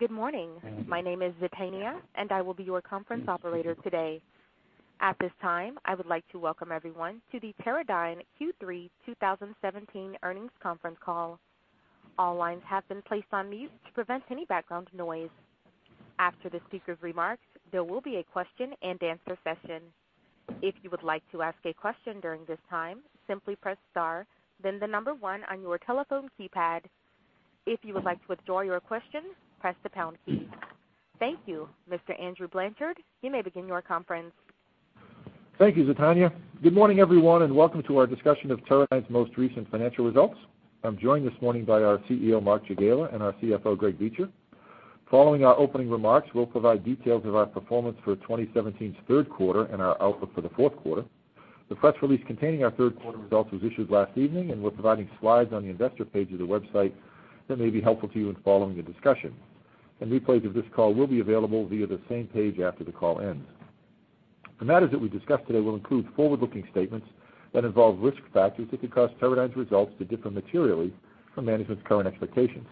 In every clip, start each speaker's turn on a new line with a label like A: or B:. A: Good morning. My name is Zetania, and I will be your conference operator today. At this time, I would like to welcome everyone to the Teradyne Q3 2017 earnings conference call. All lines have been placed on mute to prevent any background noise. After the speaker's remarks, there will be a question-and-answer session. If you would like to ask a question during this time, simply press star then the number 1 on your telephone keypad. If you would like to withdraw your question, press the pound key. Thank you. Mr. Andrew Blanchard, you may begin your conference.
B: Thank you, Zetania. Good morning, everyone, and welcome to our discussion of Teradyne's most recent financial results. I am joined this morning by our CEO, Mark Jagiela, and our CFO, Greg Beecher. Following our opening remarks, we will provide details of our performance for 2017's third quarter and our outlook for the fourth quarter. The press release containing our third quarter results was issued last evening, and we are providing slides on the investor page of the website that may be helpful to you in following the discussion. A replay of this call will be available via the same page after the call ends. The matters that we discuss today will include forward-looking statements that involve risk factors that could cause Teradyne's results to differ materially from management's current expectations.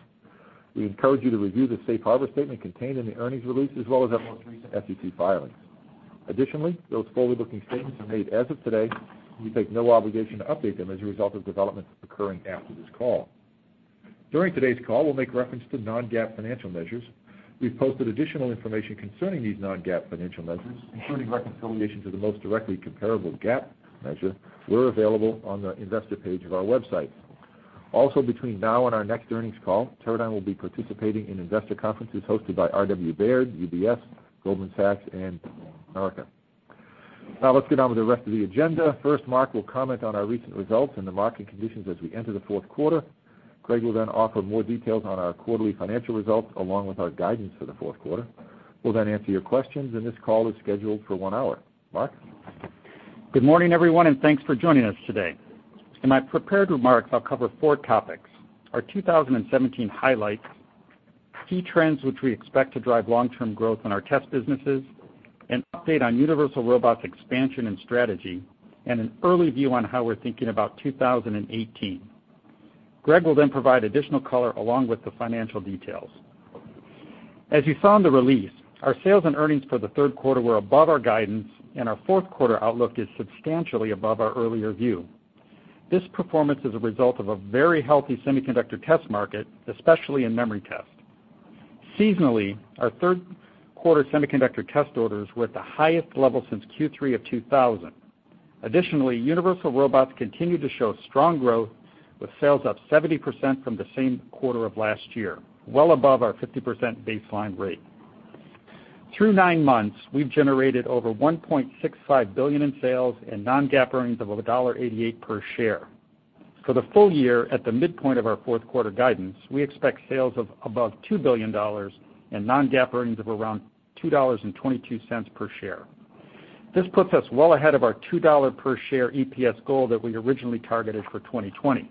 B: We encourage you to review the safe harbor statement contained in the earnings release as well as our most recent SEC filings. Additionally, those forward-looking statements are made as of today. We take no obligation to update them as a result of developments occurring after this call. During today's call, we will make reference to non-GAAP financial measures. We have posted additional information concerning these non-GAAP financial measures, including reconciliation to the most directly comparable GAAP measure, were available on the investor page of our website. Also, between now and our next earnings call, Teradyne will be participating in investor conferences hosted by Robert W. Baird, UBS, Goldman Sachs, and Bank of America. Let's get on with the rest of the agenda. First, Mark will comment on our recent results and the market conditions as we enter the fourth quarter. Greg will offer more details on our quarterly financial results, along with our guidance for the fourth quarter. We will answer your questions. This call is scheduled for one hour. Mark?
C: Good morning, everyone. Thanks for joining us today. In my prepared remarks, I will cover four topics: our 2017 highlights, key trends which we expect to drive long-term growth in our test businesses, an update on Universal Robots' expansion and strategy, and an early view on how we are thinking about 2018. Greg will provide additional color along with the financial details. As you saw in the release, our sales and earnings for the third quarter were above our guidance. Our fourth quarter outlook is substantially above our earlier view. This performance is a result of a very healthy semiconductor test market, especially in memory test. Seasonally, our third quarter semiconductor test orders were at the highest level since Q3 of 2000. Additionally, Universal Robots continued to show strong growth, with sales up 70% from the same quarter of last year, well above our 50% baseline rate. Through nine months, we've generated over $1.65 billion in sales and non-GAAP earnings of $1.88 per share. For the full year, at the midpoint of our fourth quarter guidance, we expect sales of above $2 billion and non-GAAP earnings of around $2.22 per share. This puts us well ahead of our $2 per share EPS goal that we originally targeted for 2020.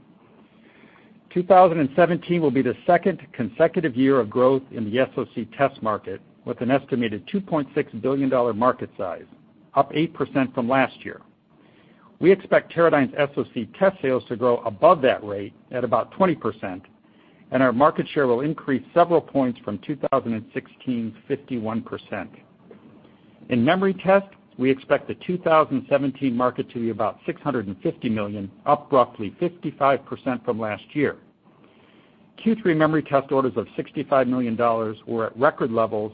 C: 2017 will be the second consecutive year of growth in the SoC test market, with an estimated $2.6 billion market size, up 8% from last year. We expect Teradyne's SoC test sales to grow above that rate at about 20%, and our market share will increase several points from 2016's 51%. In memory test, we expect the 2017 market to be about $650 million, up roughly 55% from last year. Q3 memory test orders of $65 million were at record levels.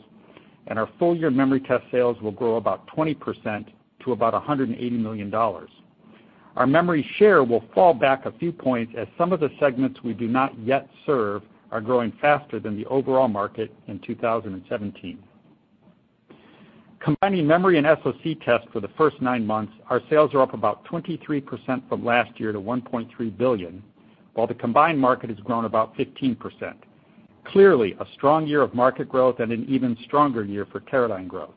C: Our full-year memory test sales will grow about 20% to about $180 million. Our memory share will fall back a few points as some of the segments we do not yet serve are growing faster than the overall market in 2017. Combining memory and SoC tests for the first nine months, our sales are up about 23% from last year to $1.3 billion, while the combined market has grown about 15%. Clearly, a strong year of market growth and an even stronger year for Teradyne growth.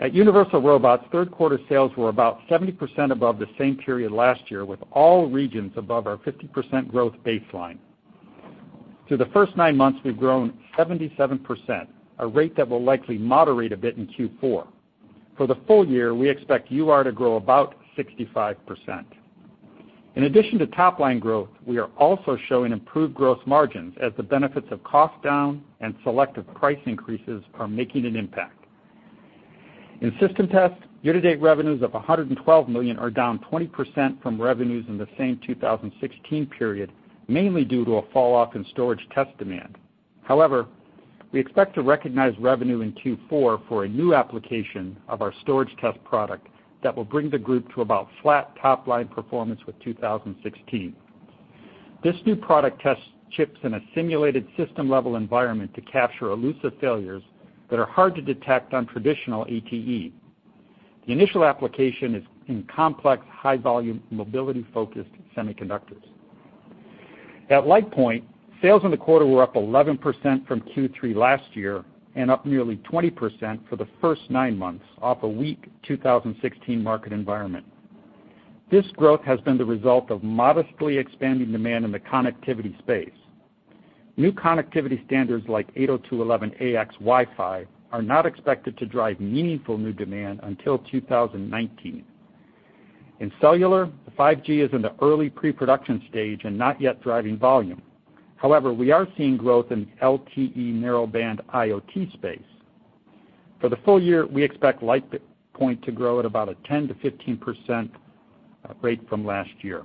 C: At Universal Robots, third-quarter sales were about 70% above the same period last year, with all regions above our 50% growth baseline. Through the first nine months, we've grown 77%, a rate that will likely moderate a bit in Q4. For the full year, we expect UR to grow about 65%. In addition to top-line growth, we are also showing improved gross margins as the benefits of cost down and selective price increases are making an impact. In System Test, year-to-date revenues of $112 million are down 20% from revenues in the same 2016 period, mainly due to a fall-off in storage test demand. However, we expect to recognize revenue in Q4 for a new application of our storage test product that will bring the group to about flat top-line performance with 2016. This new product tests chips in a simulated system-level environment to capture elusive failures that are hard to detect on traditional ATE. The initial application is in complex, high-volume, mobility-focused semiconductors. At LitePoint, sales in the quarter were up 11% from Q3 last year and up nearly 20% for the first nine months off a weak 2016 market environment. This growth has been the result of modestly expanding demand in the connectivity space. New connectivity standards like 802.11ax Wi-Fi are not expected to drive meaningful new demand until 2019. In cellular, 5G is in the early pre-production stage and not yet driving volume. However, we are seeing growth in the LTE narrowband IoT space. For the full year, we expect LitePoint to grow at about a 10%-15% rate from last year.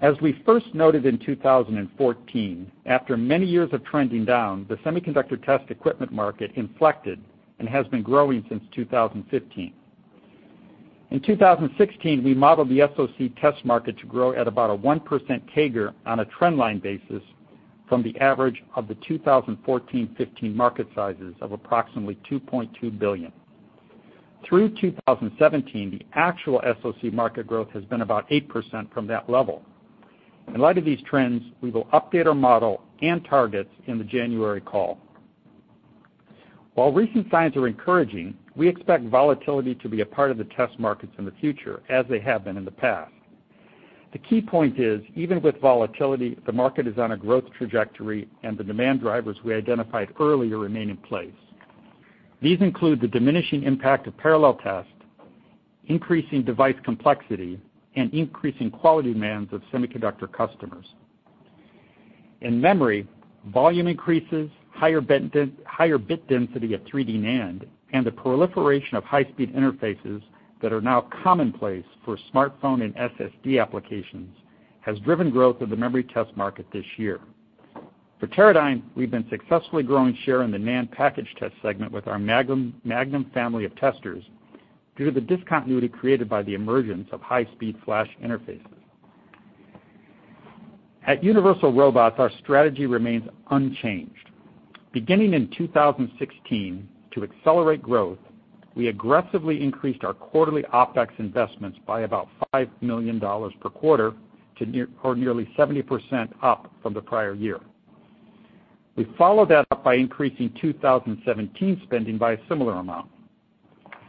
C: As we first noted in 2014, after many years of trending down, the semiconductor test equipment market inflected and has been growing since 2015. In 2016, we modeled the SoC test market to grow at about a 1% CAGR on a trend line basis from the average of the 2014-2015 market sizes of approximately $2.2 billion. Through 2017, the actual SoC market growth has been about 8% from that level. In light of these trends, we will update our model and targets in the January call. While recent signs are encouraging, we expect volatility to be a part of the test markets in the future, as they have been in the past. The key point is, even with volatility, the market is on a growth trajectory, and the demand drivers we identified earlier remain in place. These include the diminishing impact of parallel test, increasing device complexity, and increasing quality demands of semiconductor customers. In memory, volume increases, higher bit density of 3D NAND, and the proliferation of high-speed interfaces that are now commonplace for smartphone and SSD applications has driven growth of the memory test market this year. For Teradyne, we've been successfully growing share in the NAND package test segment with our Magnum family of testers due to the discontinuity created by the emergence of high-speed flash interfaces. At Universal Robots, our strategy remains unchanged. Beginning in 2016, to accelerate growth, we aggressively increased our quarterly OpEx investments by about $5 million per quarter, or nearly 70% up from the prior year. We followed that up by increasing 2017 spending by a similar amount.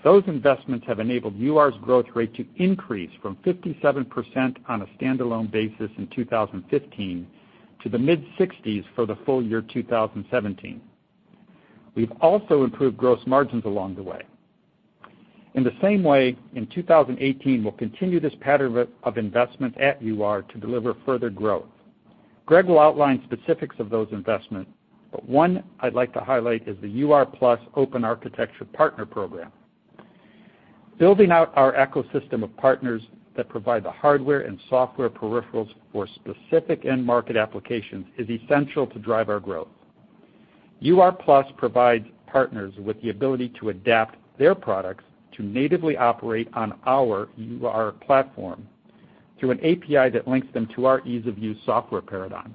C: Those investments have enabled UR's growth rate to increase from 57% on a standalone basis in 2015, to the mid-60s for the full year 2017. We've also improved gross margins along the way. In the same way, in 2018, we'll continue this pattern of investment at UR to deliver further growth. Greg will outline specifics of those investments, but one I'd like to highlight is the UR+ open architecture partner program. Building out our ecosystem of partners that provide the hardware and software peripherals for specific end-market applications is essential to drive our growth. UR+ provides partners with the ability to adapt their products to natively operate on our UR platform through an API that links them to our ease-of-use software paradigm.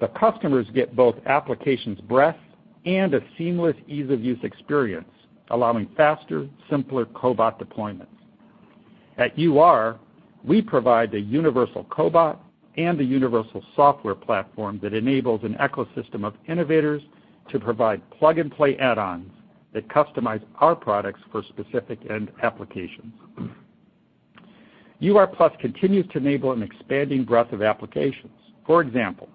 C: The customers get both applications breadth and a seamless ease-of-use experience, allowing faster, simpler cobot deployments. At UR, we provide the universal cobot and the universal software platform that enables an ecosystem of innovators to provide plug-and-play add-ons that customize our products for specific end applications. UR+ continues to enable an expanding breadth of applications. For example,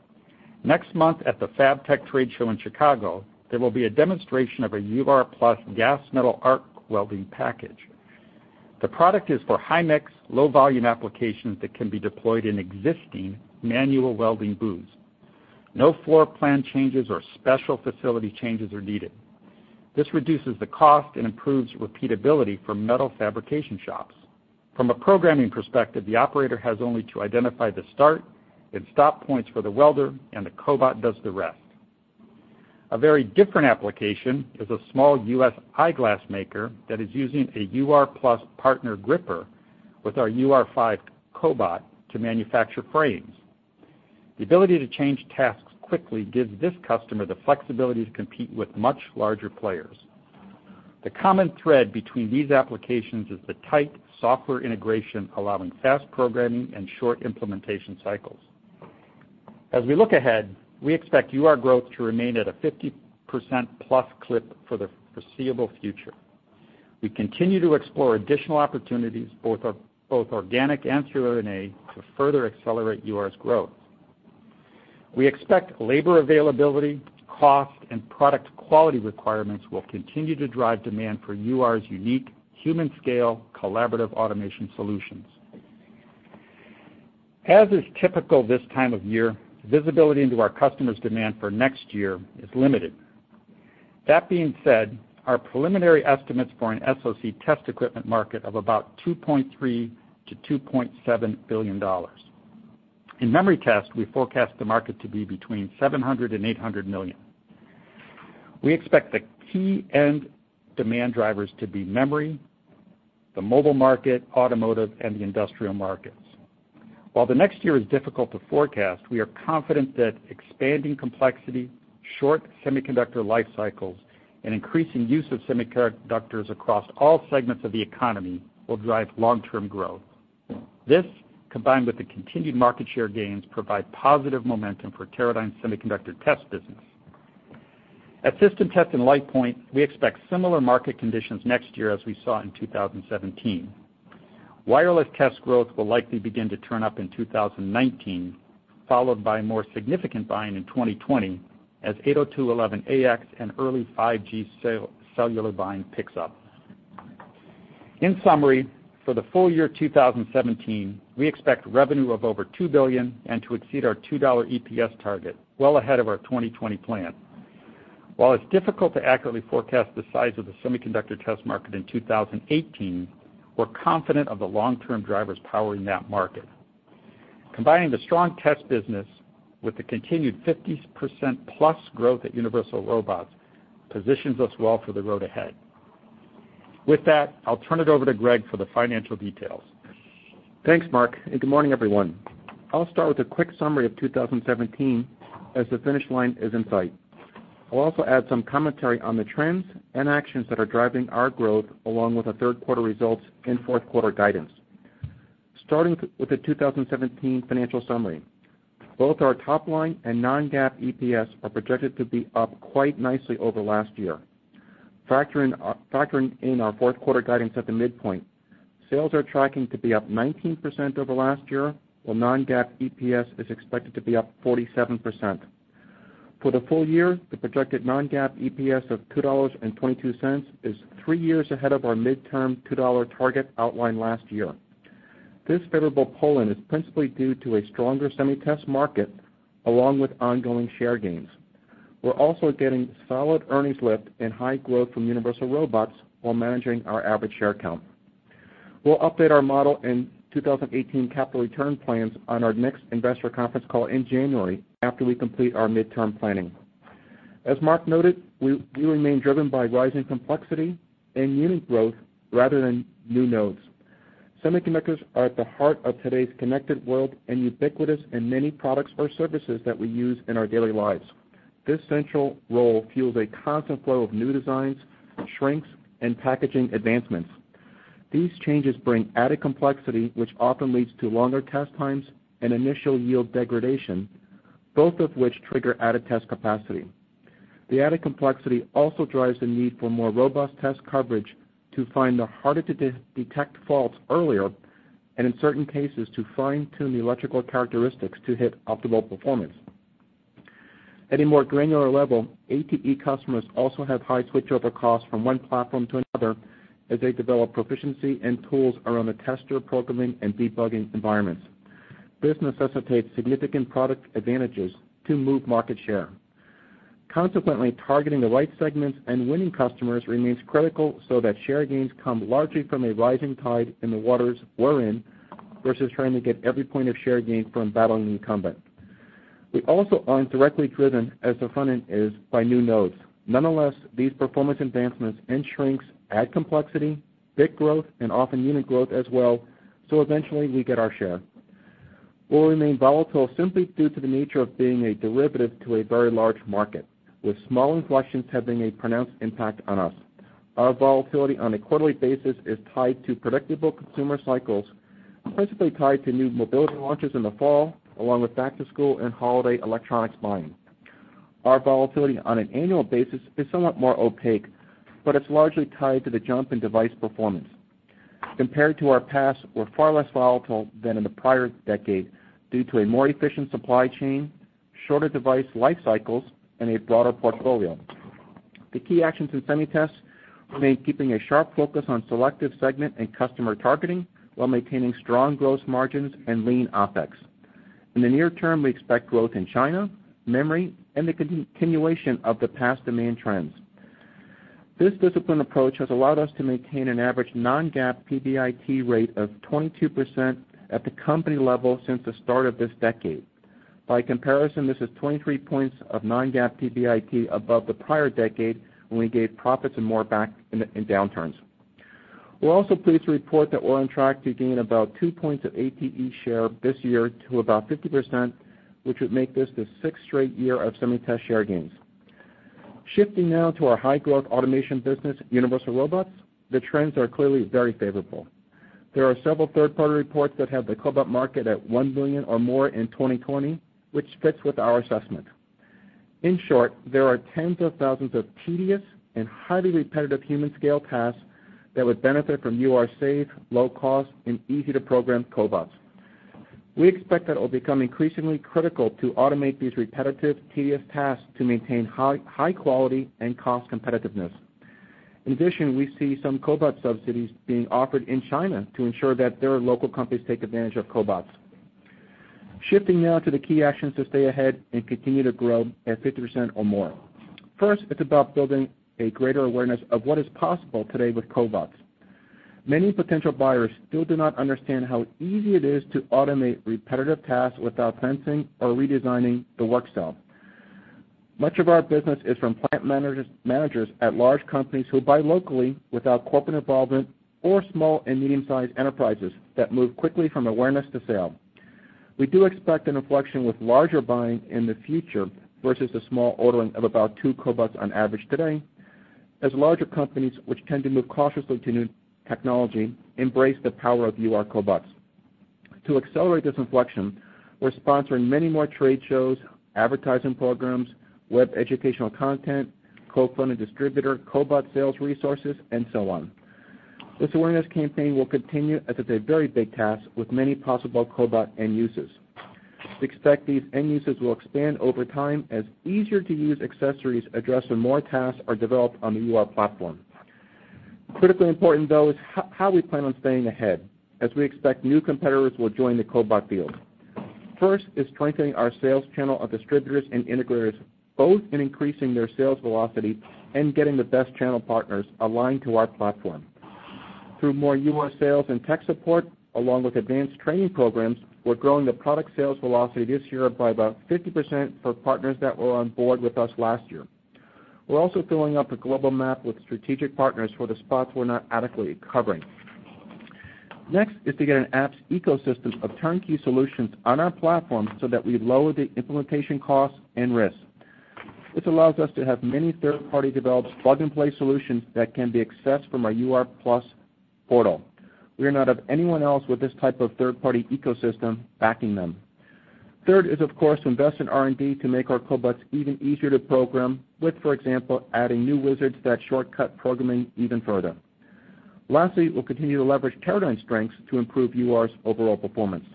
C: next month at the FABTECH trade show in Chicago, there will be a demonstration of a UR+ gas metal arc welding package. The product is for high-mix, low-volume applications that can be deployed in existing manual welding booths. No floor plan changes or special facility changes are needed. This reduces the cost and improves repeatability for metal fabrication shops. From a programming perspective, the operator has only to identify the start and stop points for the welder, and the cobot does the rest. A very different application is a small U.S. eyeglass maker that is using a UR+ partner gripper with our UR5 cobot to manufacture frames. The ability to change tasks quickly gives this customer the flexibility to compete with much larger players. The common thread between these applications is the tight software integration allowing fast programming and short implementation cycles. As we look ahead, we expect UR growth to remain at a 50%-plus clip for the foreseeable future. We continue to explore additional opportunities, both organic and through M&A, to further accelerate UR's growth. We expect labor availability, cost, and product quality requirements will continue to drive demand for UR's unique human-scale collaborative automation solutions. As is typical this time of year, visibility into our customers' demand for next year is limited. That being said, our preliminary estimates for an SoC test equipment market of about $2.3 billion-$2.7 billion. In memory test, we forecast the market to be between $700 million and $800 million. We expect the key end demand drivers to be memory, the mobile market, automotive, and the industrial markets. While next year is difficult to forecast, we are confident that expanding complexity, short semiconductor life cycles, and increasing use of semiconductors across all segments of the economy will drive long-term growth. This, combined with the continued market share gains, provide positive momentum for Teradyne Semiconductor test business. At System Test and LitePoint, we expect similar market conditions next year as we saw in 2017. Wireless test growth will likely begin to turn up in 2019, followed by more significant buying in 2020 as 802.11ax and early 5G cellular buying picks up. In summary, for the full year 2017, we expect revenue of over $2 billion and to exceed our $2 EPS target well ahead of our 2020 plan. While it's difficult to accurately forecast the size of the semiconductor test market in 2018, we're confident of the long-term drivers powering that market. Combining the strong test business with the continued 50%+ growth at Universal Robots positions us well for the road ahead. With that, I'll turn it over to Greg for the financial details.
D: Thanks, Mark, good morning, everyone. I'll start with a quick summary of 2017 as the finish line is in sight. I'll also add some commentary on the trends and actions that are driving our growth, along with our third-quarter results and fourth-quarter guidance. Starting with the 2017 financial summary. Both our top line and non-GAAP EPS are projected to be up quite nicely over last year. Factoring in our fourth-quarter guidance at the midpoint, sales are tracking to be up 19% over last year, while non-GAAP EPS is expected to be up 47%. For the full year, the projected non-GAAP EPS of $2.22 is three years ahead of our midterm $2 target outlined last year. This favorable pull-in is principally due to a stronger SemiTest market along with ongoing share gains. We're also getting solid earnings lift and high growth from Universal Robots while managing our average share count. We'll update our model and 2018 capital return plans on our next investor conference call in January after we complete our midterm planning. As Mark noted, we remain driven by rising complexity and unit growth rather than new nodes. Semiconductors are at the heart of today's connected world and ubiquitous in many products or services that we use in our daily lives. This central role fuels a constant flow of new designs, shrinks, and packaging advancements. These changes bring added complexity, which often leads to longer test times and initial yield degradation, both of which trigger added test capacity. The added complexity also drives the need for more robust test coverage to find the harder-to-detect faults earlier, and in certain cases, to fine-tune the electrical characteristics to hit optimal performance. At a more granular level, ATE customers also have high switchover costs from one platform to another as they develop proficiency and tools around the tester programming and debugging environments. This necessitates significant product advantages to move market share. Consequently, targeting the right segments and winning customers remains critical so that share gains come largely from a rising tide in the waters we're in, versus trying to get every point of share gain from battling an incumbent. We also aren't directly driven, as the front end is, by new nodes. Nonetheless, these performance advancements and shrinks add complexity, bit growth, and often unit growth as well, so eventually, we get our share. We'll remain volatile simply due to the nature of being a derivative to a very large market, with small inflections having a pronounced impact on us. Our volatility on a quarterly basis is tied to predictable consumer cycles, principally tied to new mobility launches in the fall, along with back-to-school and holiday electronics buying. Our volatility on an annual basis is somewhat more opaque, but it's largely tied to the jump in device performance. Compared to our past, we're far less volatile than in the prior decade due to a more efficient supply chain, shorter device life cycles, and a broader portfolio. The key actions in SemiTest remain keeping a sharp focus on selective segment and customer targeting while maintaining strong gross margins and lean OpEx. In the near term, we expect growth in China, memory, and the continuation of the past demand trends. This disciplined approach has allowed us to maintain an average non-GAAP PBIT rate of 22% at the company level since the start of this decade. By comparison, this is 23 points of non-GAAP PBIT above the prior decade, when we gave profits and more back in downturns. We're also pleased to report that we're on track to gain about two points of ATE share this year to about 50%, which would make this the sixth straight year of SemiTest share gains. Shifting now to our high-growth automation business, Universal Robots, the trends are clearly very favorable. There are several third-party reports that have the cobot market at $1 billion or more in 2020, which fits with our assessment. In short, there are tens of thousands of tedious and highly repetitive human scale tasks that would benefit from UR's safe, low-cost, and easy-to-program cobots. We expect that it will become increasingly critical to automate these repetitive, tedious tasks to maintain high quality and cost competitiveness. In addition, we see some cobot subsidies being offered in China to ensure that their local companies take advantage of cobots. Shifting now to the key actions to stay ahead and continue to grow at 50% or more. First, it's about building a greater awareness of what is possible today with cobots. Many potential buyers still do not understand how easy it is to automate repetitive tasks without fencing or redesigning the work cell. Much of our business is from plant managers at large companies who buy locally without corporate involvement or small and medium-sized enterprises that move quickly from awareness to sale. We do expect an inflection with larger buying in the future, versus the small ordering of about two cobots on average today, as larger companies, which tend to move cautiously to new technology, embrace the power of UR cobots. To accelerate this inflection, we're sponsoring many more trade shows, advertising programs, web educational content, co-funded distributor, cobot sales resources, and so on. This awareness campaign will continue as it's a very big task with many possible cobot end uses. Expect these end uses will expand over time as easier-to-use accessories address when more tasks are developed on the UR platform. Critically important, though, is how we plan on staying ahead, as we expect new competitors will join the cobot field. First is strengthening our sales channel of distributors and integrators, both in increasing their sales velocity and getting the best channel partners aligned to our platform. Through more UR sales and tech support, along with advanced training programs, we're growing the product sales velocity this year by about 50% for partners that were on board with us last year. We're also filling up a global map with strategic partners for the spots we're not adequately covering. Next is to get an apps ecosystem of turnkey solutions on our platform so that we lower the implementation costs and risks. This allows us to have many third-party developed plug-and-play solutions that can be accessed from our UR+ portal. We are not of anyone else with this type of third-party ecosystem backing them. Third is, of course, to invest in R&D to make our cobots even easier to program with, for example, adding new wizards that shortcut programming even further. Lastly, we'll continue to leverage Teradyne strengths to improve UR's overall performance.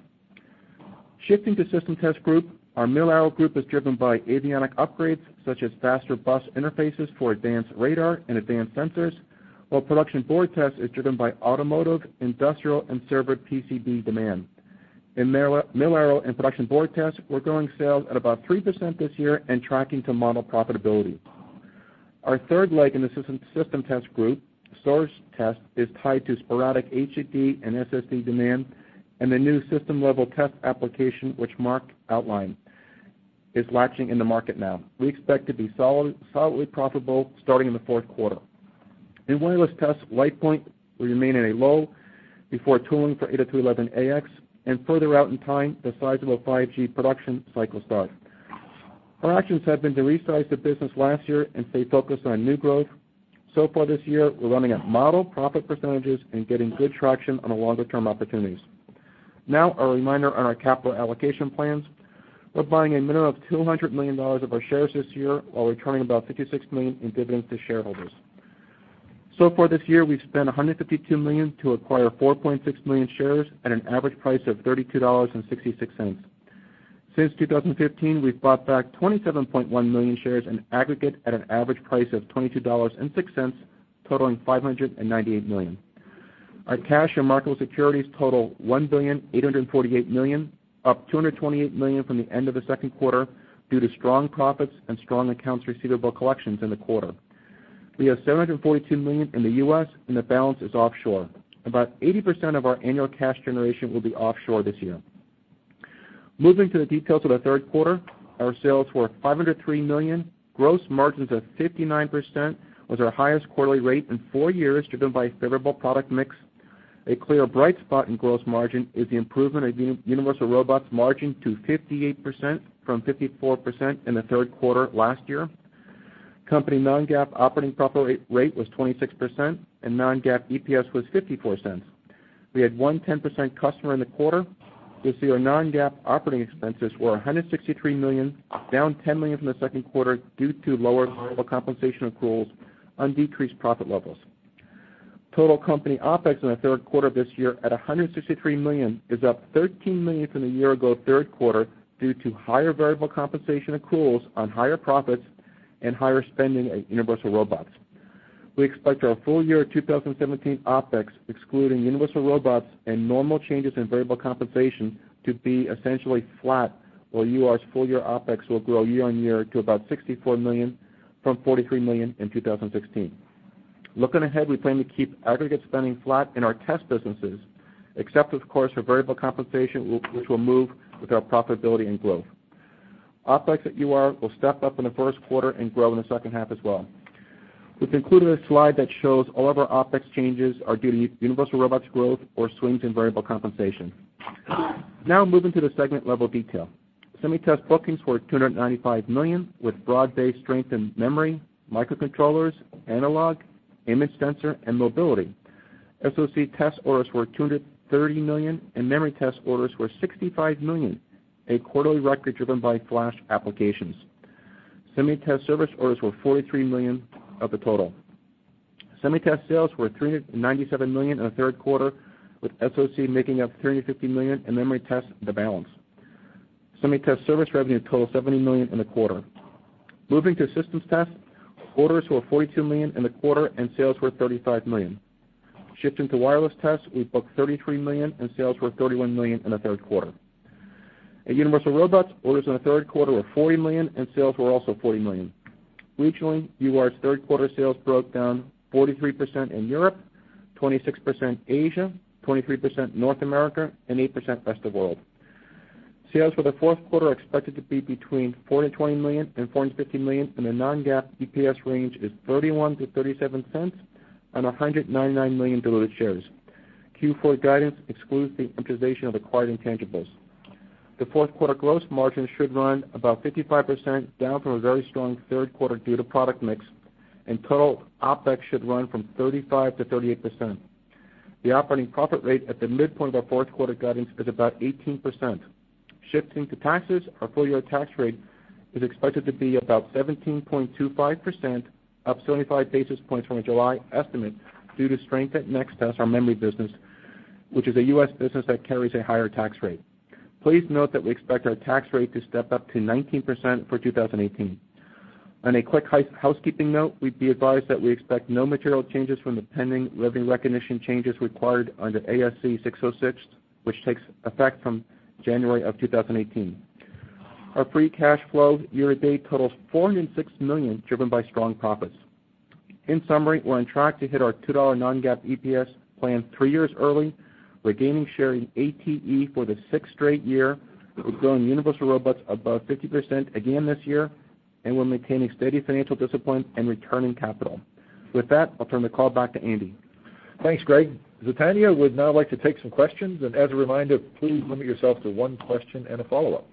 D: Shifting to System Test group, our mil-aero group is driven by avionic upgrades such as faster bus interfaces for advanced radar and advanced sensors. Production Board Test is driven by automotive, industrial, and server PCB demand. In mil-aero and Production Board Test, we're growing sales at about 3% this year and tracking to model profitability. Our third leg in the System Test group, Storage Test, is tied to sporadic HDD and SSD demand and the new system-level test application, which Mark outlined, is latching in the market now. We expect to be solidly profitable starting in the fourth quarter. In Wireless Test, LitePoint will remain at a low before tooling for 802.11ax, and further out in time, the sizable 5G production cycle start. Our actions have been to resize the business last year and stay focused on new growth. So far this year, we're running at model profit % and getting good traction on the longer-term opportunities. A reminder on our capital allocation plans. We're buying a minimum of $200 million of our shares this year while returning about $56 million in dividends to shareholders. Far this year, we've spent $152 million to acquire 4.6 million shares at an average price of $32.66. Since 2015, we've bought back 27.1 million shares in aggregate at an average price of $22.06, totaling $598 million. Our cash and marketable securities total $1,848,000,000, up $228 million from the end of the second quarter due to strong profits and strong accounts receivable collections in the quarter. We have $742 million in the U.S., and the balance is offshore. About 80% of our annual cash generation will be offshore this year. Moving to the details of the third quarter, our sales were $503 million. Gross margins of 59% was our highest quarterly rate in four years, driven by favorable product mix. A clear bright spot in gross margin is the improvement of Universal Robots margin to 58% from 54% in the third quarter last year. Company non-GAAP operating profit rate was 26%, and non-GAAP EPS was $0.54. We had one 10% customer in the quarter. You'll see our non-GAAP operating expenses were $163 million, down $10 million from the second quarter due to lower variable compensation accruals on decreased profit levels. Total company OpEx in the third quarter of this year at $163 million is up $13 million from the year-ago third quarter due to higher variable compensation accruals on higher profits and higher spending at Universal Robots. We expect our full year 2017 OpEx, excluding Universal Robots and normal changes in variable compensation, to be essentially flat, while UR's full-year OpEx will grow year-on-year to about $64 million from $43 million in 2016. Looking ahead, we plan to keep aggregate spending flat in our test businesses, except of course, for variable compensation, which will move with our profitability and growth. OpEx at UR will step up in the first quarter and grow in the second half as well. We've included a slide that shows all of our OpEx changes are due to Universal Robots growth or swings in variable compensation. Now moving to the segment-level detail. SemiTest bookings were $295 million, with broad-based strength in memory, microcontrollers, analog, image sensor, and mobility. SoC Test orders were $230 million, and Memory Test orders were $65 million, a quarterly record driven by flash applications. SemiTest service orders were $43 million of the total. SemiTest sales were $397 million in the third quarter, with SoC making up $350 million and Memory Test the balance. SemiTest service revenue totaled $70 million in the quarter. Moving to Systems Test, orders were $42 million in the quarter, and sales were $35 million. Shifting to Wireless Test, we booked $33 million, and sales were $31 million in the third quarter. At Universal Robots, orders in the third quarter were $40 million, and sales were also $40 million. Regionally, UR's third quarter sales broke down 43% in Europe, 26% Asia, 23% North America, and 8% rest of world. Sales for the fourth quarter are expected to be between $420 million-$450 million, and the non-GAAP EPS range is $0.31-$0.37 on 199 million diluted shares. Q4 guidance excludes the amortization of acquired intangibles. The fourth quarter gross margin should run about 55%, down from a very strong third quarter due to product mix, and total OpEx should run from 35%-38%. The operating profit rate at the midpoint of our fourth quarter guidance is about 18%. Shifting to taxes, our full-year tax rate is expected to be about 17.25%, up 75 basis points from our July estimate due to strength at Nextest, our memory business, which is a U.S. business that carries a higher tax rate. Please note that we expect our tax rate to step up to 19% for 2018. On a quick housekeeping note, we advise that we expect no material changes from the pending revenue recognition changes required under ASC 606, which takes effect from January of 2018. Our free cash flow year-to-date totals $406 million, driven by strong profits. In summary, we're on track to hit our $2 non-GAAP EPS plan three years early. We're gaining share in ATE for the sixth straight year. We're growing Universal Robots above 50% again this year, and we're maintaining steady financial discipline and returning capital. With that, I'll turn the call back to Andy.
B: Thanks, Greg. Zetania would now like to take some questions. As a reminder, please limit yourself to one question and a follow-up.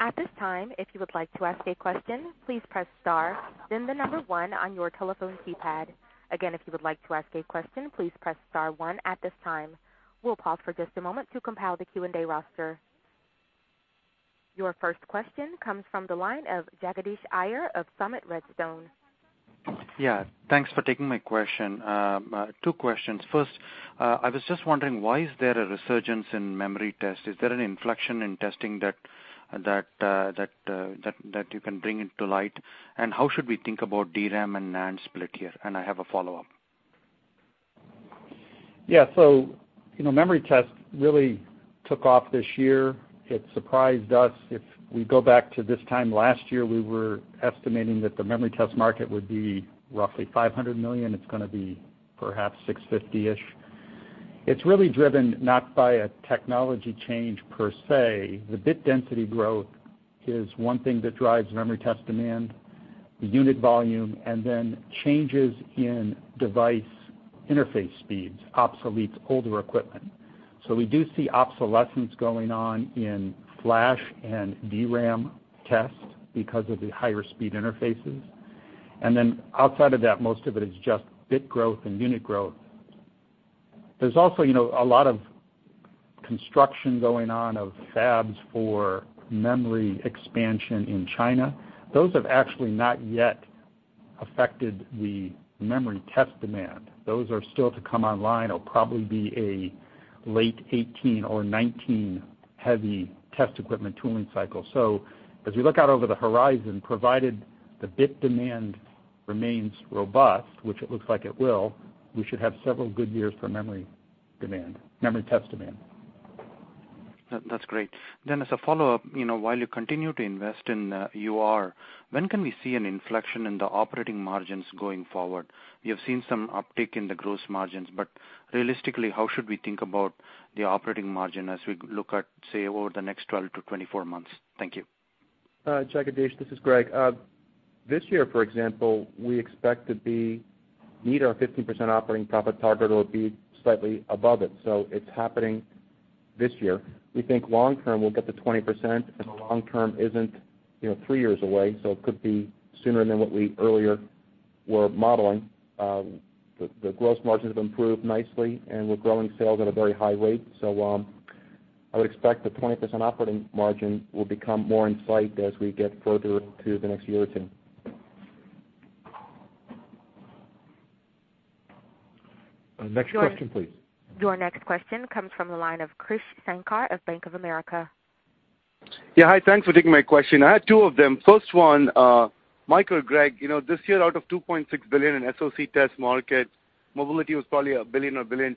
A: At this time, if you would like to ask a question, please press star, then 1 on your telephone keypad. Again, if you would like to ask a question, please press star 1 at this time. We'll pause for just a moment to compile the Q&A roster. Your first question comes from the line of Jagadish Iyer of Summit Redstone.
E: Yeah, thanks for taking my question. Two questions. First, I was just wondering, why is there a resurgence in memory test? Is there an inflection in testing that you can bring into light? How should we think about DRAM and NAND split here? I have a follow-up.
C: Yeah. Memory test really took off this year. It surprised us. If we go back to this time last year, we were estimating that the memory test market would be roughly $500 million. It's going to be perhaps $650-ish. It's really driven not by a technology change per se. The bit density growth is one thing that drives memory test demand, the unit volume, and then changes in device interface speeds obsoletes older equipment. We do see obsolescence going on in flash and DRAM test because of the higher speed interfaces. Outside of that, most of it is just bit growth and unit growth. There's also a lot of construction going on of fabs for memory expansion in China. Those have actually not yet affected the memory test demand. Those are still to come online. It will probably be a late 2018 or 2019 heavy test equipment tooling cycle. As we look out over the horizon, provided the bit demand remains robust, which it looks like it will, we should have several good years for memory test demand.
E: That's great. As a follow-up, while you continue to invest in UR, when can we see an inflection in the operating margins going forward? We have seen some uptick in the gross margins, but realistically, how should we think about the operating margin as we look at, say, over the next 12 to 24 months? Thank you.
D: Jagadish, this is Greg. This year, for example, we expect to meet our 15% operating profit target or be slightly above it. It's happening this year. We think long term, we will get to 20%, and the long term isn't three years away, so it could be sooner than what we earlier were modeling. The gross margins have improved nicely, and we are growing sales at a very high rate. I would expect the 20% operating margin will become more in sight as we get further to the next year or two.
C: Next question, please.
A: Your next question comes from the line of Krish Sankar of Bank of America.
F: Hi. Thanks for taking my question. I had two of them. First one, Mark or Greg, this year, out of $2.6 billion in SoC test market, mobility was probably $1 billion or $1.2 billion,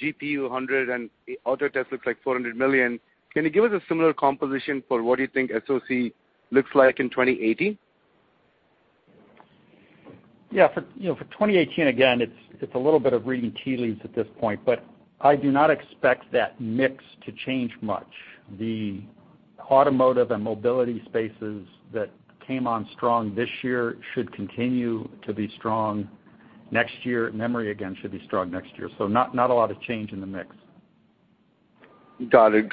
F: GPU $100 million, and auto test looks like $400 million. Can you give us a similar composition for what you think SoC looks like in 2018?
C: For 2018, again, it's a little bit of reading tea leaves at this point, but I do not expect that mix to change much. The automotive and mobility spaces that came on strong this year should continue to be strong next year. Memory, again, should be strong next year. Not a lot of change in the mix.
F: Got it.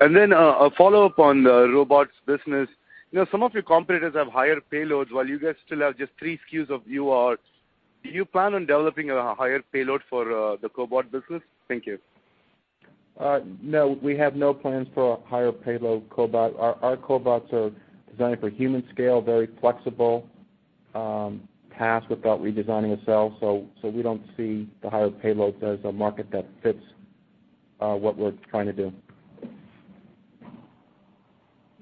F: A follow-up on the robots business. Some of your competitors have higher payloads while you guys still have just three SKUs of UR. Do you plan on developing a higher payload for the cobot business? Thank you.
C: No, we have no plans for a higher payload cobot. Our cobots are designed for human scale, very flexible tasks without redesigning a cell. We don't see the higher payloads as a market that fits what we're trying to do.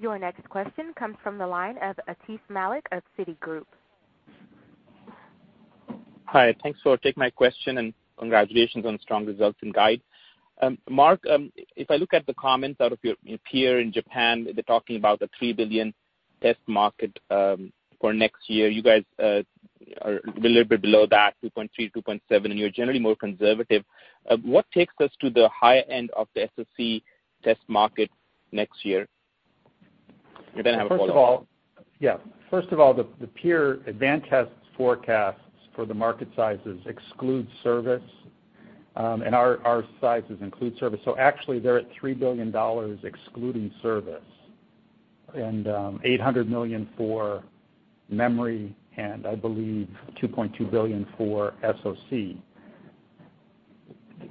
A: Your next question comes from the line of Atif Malik of Citigroup.
G: Hi. Thanks for taking my question, and congratulations on strong results and guide. Mark, if I look at the comments out of your peer in Japan, they're talking about a $3 billion test market for next year. You guys are a little bit below that, $2.3 billion, $2.7 billion, and you're generally more conservative. What takes us to the high end of the SoC test market next year? I have a follow-up.
C: First of all, the peer Advantest's forecasts for the market sizes exclude service, and our sizes include service. Actually, they're at $3 billion, excluding service, and $800 million for SoC. I believe $2.2 billion for SoC. In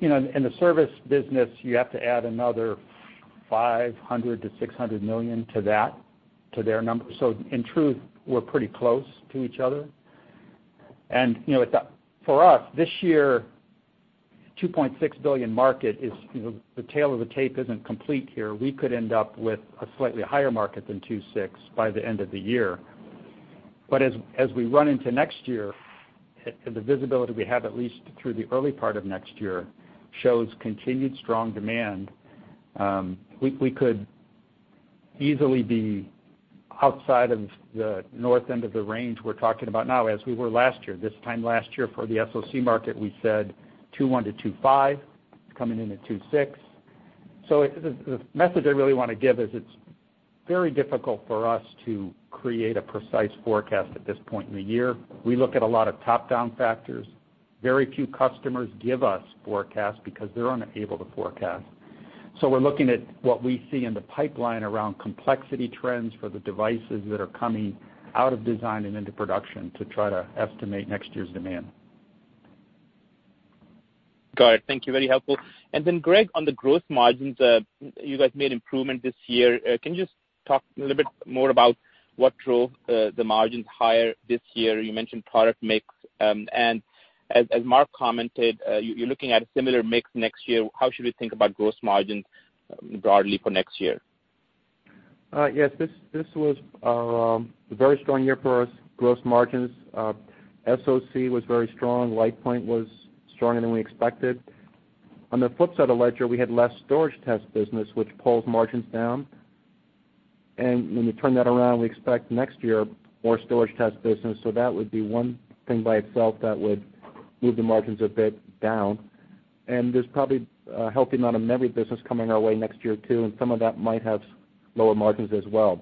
C: the service business, you have to add another $500 million-$600 million to their numbers. In truth, we're pretty close to each other. For us this year, $2.6 billion market, the tale of the tape isn't complete here. We could end up with a slightly higher market than $2.6 by the end of the year. As we run into next year, the visibility we have, at least through the early part of next year, shows continued strong demand. We could easily be outside of the north end of the range we're talking about now, as we were last year. This time last year for the SoC market, we said $2.1-$2.5, coming in at $2.6. The message I really want to give is it's very difficult for us to create a precise forecast at this point in the year. We look at a lot of top-down factors. Very few customers give us forecasts because they're unable to forecast. We're looking at what we see in the pipeline around complexity trends for the devices that are coming out of design and into production to try to estimate next year's demand.
G: Got it. Thank you. Very helpful. Then Greg, on the gross margins, you guys made improvement this year. Can you just talk a little bit more about what drove the margins higher this year? You mentioned product mix. As Mark commented, you're looking at a similar mix next year. How should we think about gross margins broadly for next year?
D: Yes. This was a very strong year for us. Gross margins, SoC was very strong. LitePoint was stronger than we expected. On the flip side of the ledger, we had less Storage Test business, which pulls margins down. When we turn that around, we expect next year more Storage Test business. That would be one thing by itself that would move the margins a bit down. There's probably a healthy amount of memory business coming our way next year, too, and some of that might have lower margins as well.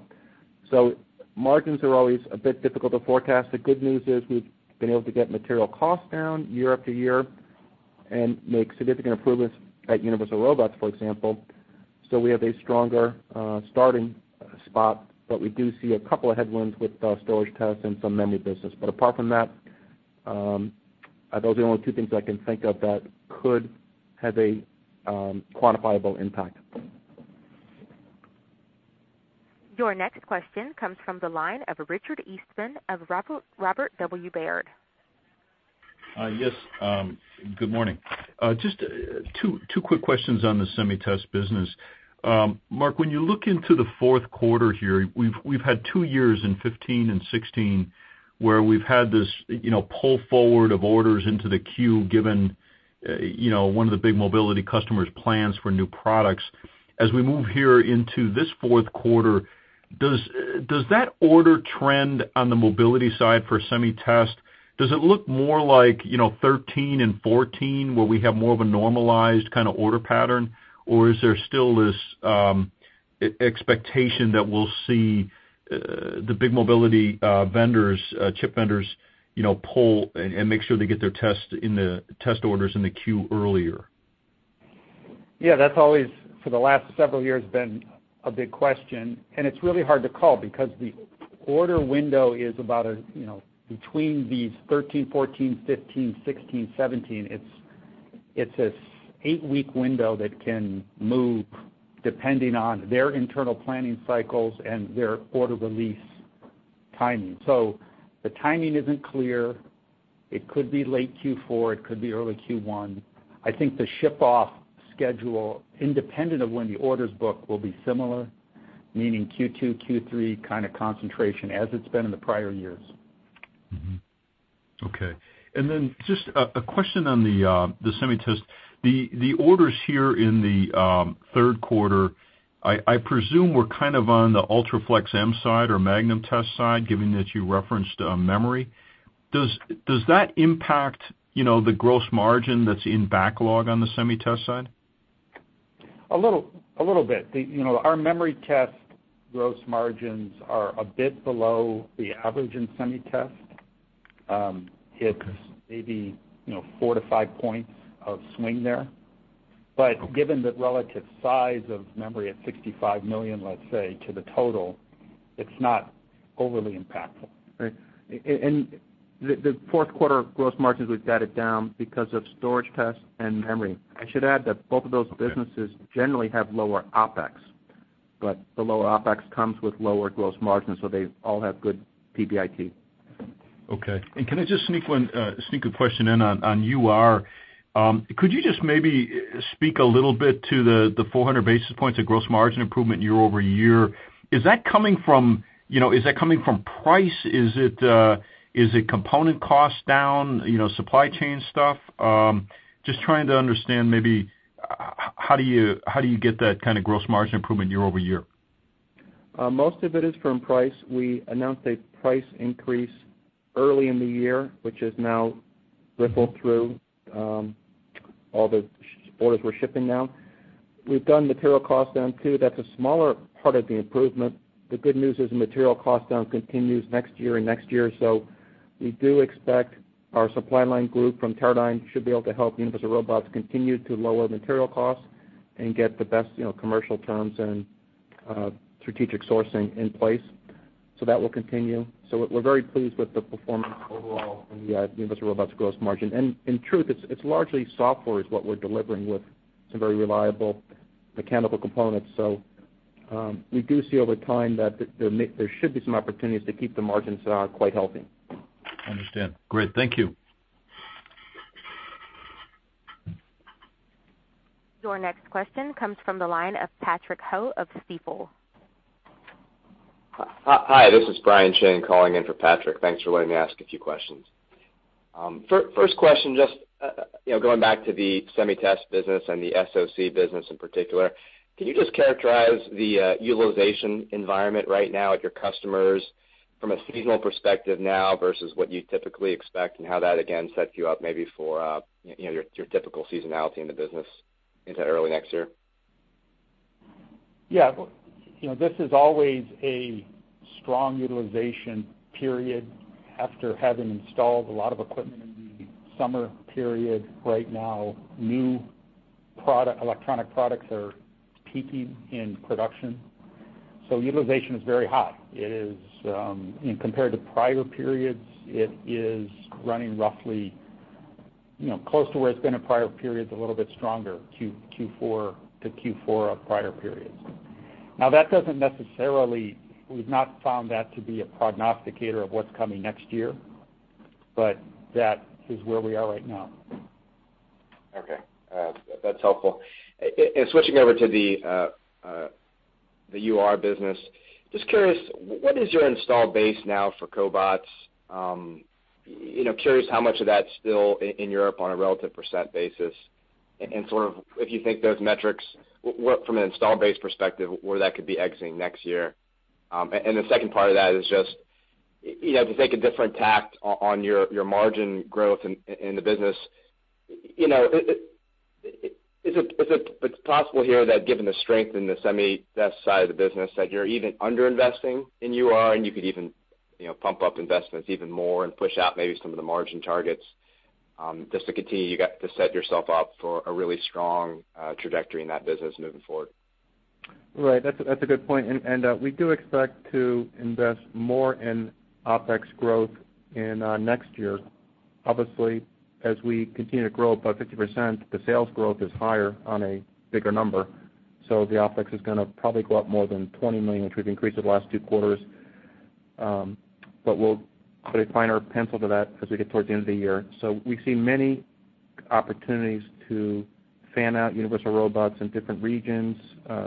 D: Margins are always a bit difficult to forecast. The good news is we've been able to get material costs down year after year and make significant improvements at Universal Robots, for example. We have a stronger starting spot. We do see a couple of headwinds with Storage Test and some memory business. apart from that, those are the only two things I can think of that could have a quantifiable impact.
A: Your next question comes from the line of Richard Eastman of Robert W. Baird.
H: Yes. Good morning. Just two quick questions on the SemiTest business. Mark, when you look into the fourth quarter here, we've had two years in 2015 and 2016 where we've had this pull forward of orders into the queue, given one of the big mobility customers' plans for new products. As we move here into this fourth quarter, does that order trend on the mobility side for SemiTest, does it look more like 2013 and 2014, where we have more of a normalized kind of order pattern? Or is there still this expectation that we'll see the big mobility chip vendors pull and make sure they get their test orders in the queue earlier?
C: Yeah, that's always, for the last several years, been a big question, it's really hard to call because the order window is about between these 2013, 2014, 2015, 2016, 2017. It's this eight-week window that can move depending on their internal planning cycles and their order release timing. The timing isn't clear. It could be late Q4. It could be early Q1. I think the ship-off schedule, independent of when the order's booked, will be similar, meaning Q2, Q3 kind of concentration as it's been in the prior years.
H: Okay. Just a question on the SemiTest. The orders here in the third quarter, I presume we're kind of on the UltraFLEX M side or Magnum Test side, given that you referenced memory. Does that impact the gross margin that's in backlog on the SemiTest side?
C: A little bit. Our memory test gross margins are a bit below the average in SemiTest. It's maybe four to five points of swing there. Given the relative size of memory at $65 million, let's say, to the total, it's not overly impactful.
D: The fourth quarter gross margins, we've guided down because of Storage Test and memory. I should add that both of those businesses generally have lower OpEx, but the lower OpEx comes with lower gross margins, they all have good PBIT.
H: Okay. Can I just sneak a question in on UR? Could you just maybe speak a little bit to the 400 basis points of gross margin improvement year-over-year? Is that coming from price? Is it component cost down, supply chain stuff? Just trying to understand maybe how do you get that kind of gross margin improvement year-over-year.
D: Most of it is from price. We announced a price increase early in the year, which has now rippled through all the orders we're shipping now. We've done material cost down, too. That's a smaller part of the improvement. The good news is material cost down continues next year and next year. We do expect our supply line group from Teradyne should be able to help Universal Robots continue to lower material costs and get the best commercial terms and strategic sourcing in place. That will continue. We're very pleased with the performance overall from the Universal Robots gross margin. In truth, it's largely software is what we're delivering with some very reliable mechanical components. We do see over time that there should be some opportunities to keep the margins there quite healthy.
H: I understand. Great. Thank you.
A: Your next question comes from the line of Patrick Ho of Stifel.
I: Hi, this is Brian Chin calling in for Patrick. Thanks for letting me ask a few questions. First question, just going back to the SemiTest business and the SoC business in particular, can you just characterize the utilization environment right now at your customers from a seasonal perspective now versus what you typically expect and how that, again, sets you up maybe for your typical seasonality in the business into early next year?
C: Yeah. This is always a strong utilization period after having installed a lot of equipment in the summer period. Right now, new electronic products are peaking in production, so utilization is very high. Compared to prior periods, it is running roughly close to where it's been in prior periods, a little bit stronger, to Q4 of prior periods. Now, we've not found that to be a prognosticator of what's coming next year, but that is where we are right now.
I: Okay. That's helpful. Switching over to the UR business, just curious, what is your install base now for cobots? Curious how much of that's still in Europe on a relative percent basis, and if you think those metrics, from an install base perspective, where that could be exiting next year. The second part of that is just, to take a different tact on your margin growth in the business, is it possible here that given the strength in the SemiTest side of the business, that you're even under-investing in UR, and you could even pump up investments even more and push out maybe some of the margin targets, just to continue to set yourself up for a really strong trajectory in that business moving forward?
D: Right. That's a good point. We do expect to invest more in OpEx growth in next year. Obviously, as we continue to grow up by 50%, the sales growth is higher on a bigger number. The OpEx is going to probably go up more than $20 million, which we've increased the last two quarters. We'll put a finer pencil to that as we get towards the end of the year. We see many opportunities to fan out Universal Robots in different regions,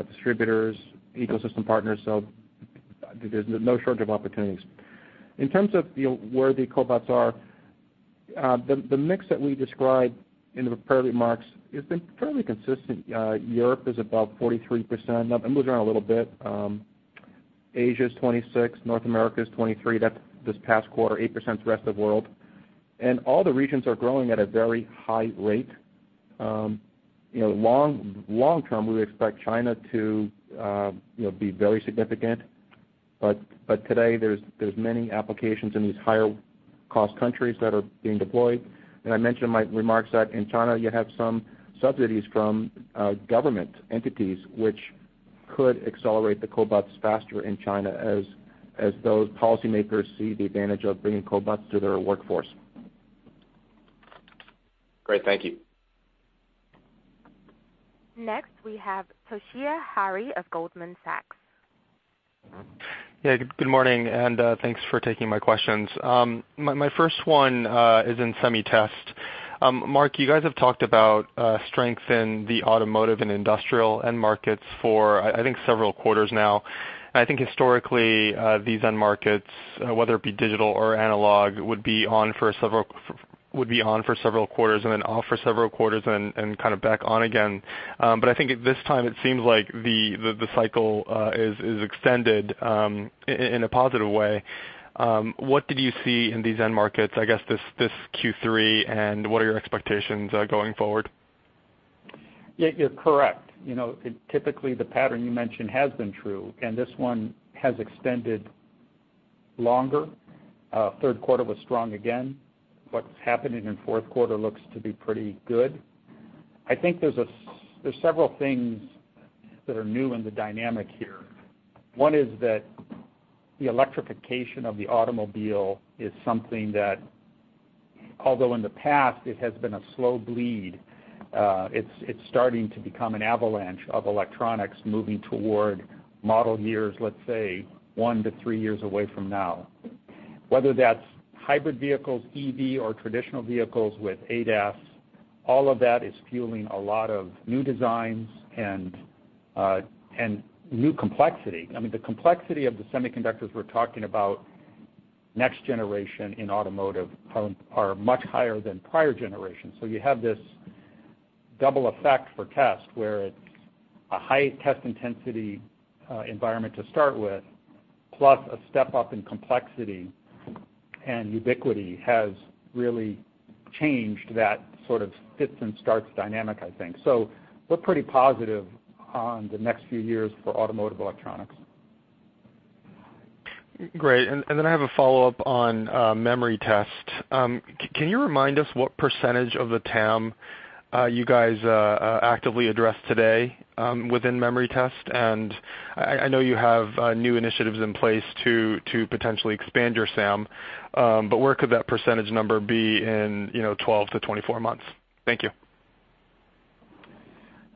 D: distributors, ecosystem partners, so there's no shortage of opportunities. In terms of where the cobots are, the mix that we described in the prepared remarks has been fairly consistent. Europe is about 43%, it moves around a little bit. Asia is 26%, North America is 23%, that's this past quarter, 8% is the rest of the world. All the regions are growing at a very high rate. Long-term, we expect China to be very significant, today there's many applications in these higher cost countries that are being deployed. I mentioned in my remarks that in China you have some subsidies from government entities which could accelerate the cobots faster in China as those policymakers see the advantage of bringing cobots to their workforce.
I: Great. Thank you.
A: Next, we have Toshiya Hari of Goldman Sachs.
J: Good morning, and thanks for taking my questions. My first one is in SemiTest. Mark, you guys have talked about strength in the automotive and industrial end markets for, I think, several quarters now. I think historically, these end markets, whether it be digital or analog, would be on for several quarters and then off for several quarters, and kind of back on again. I think at this time it seems like the cycle is extended in a positive way. What did you see in these end markets, I guess, this Q3, and what are your expectations going forward?
C: You're correct. Typically, the pattern you mentioned has been true, and this one has extended longer. Third quarter was strong again. What's happening in fourth quarter looks to be pretty good. I think there's several things that are new in the dynamic here. One is that the electrification of the automobile is something that, although in the past it has been a slow bleed, it's starting to become an avalanche of electronics moving toward model years, let's say, one to three years away from now. Whether that's hybrid vehicles, EV, or traditional vehicles with ADAS, all of that is fueling a lot of new designs and new complexity. I mean, the complexity of the semiconductors we're talking about, next generation in automotive are much higher than prior generations. You have this double effect for test, where it's a high test intensity environment to start with, plus a step up in complexity, ubiquity has really changed that sort of fits and starts dynamic, I think. We're pretty positive on the next few years for automotive electronics.
J: Great. I have a follow-up on memory test. Can you remind us what percentage of the TAM you guys actively addressed today within memory test, and I know you have new initiatives in place to potentially expand your SAM, but where could that percentage number be in 12 to 24 months? Thank you.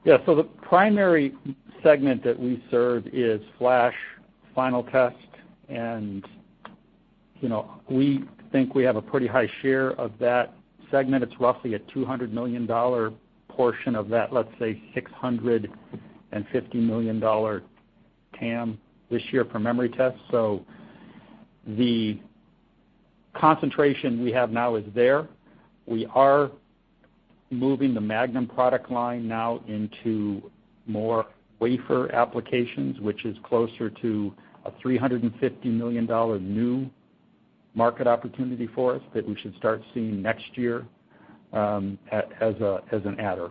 C: The primary segment that we serve is flash final test, we think we have a pretty high share of that segment. It's roughly a $200 million portion of that, let's say, $650 million TAM this year for memory test. The concentration we have now is there. We are moving the Magnum product line now into more wafer applications, which is closer to a $350 million new market opportunity for us that we should start seeing next year, as an adder.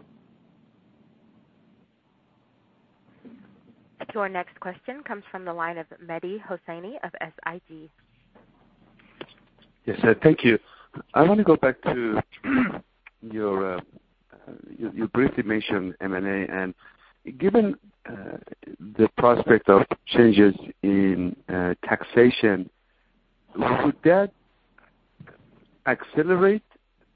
A: Your next question comes from the line of Mehdi Hosseini of SIG.
K: Yes, thank you. I want to go back to your brief mention, M&A. Given the prospect of changes in taxation, would that accelerate